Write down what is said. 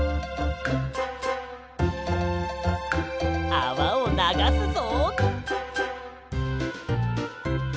あわをながすぞ。